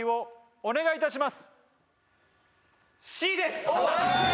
お願いいたします。